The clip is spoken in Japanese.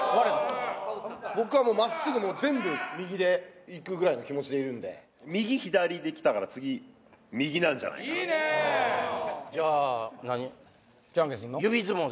僕はまっすぐもう全部右でいくぐらいの気持ちでいるんで右・左できたから次右なんじゃないかなとじゃあ何じゃんけんすんの？